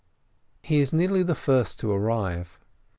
He is nearly the first to arrive.